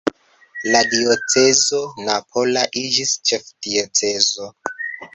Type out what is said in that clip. La diocezo napola iĝis ĉefdiocezo.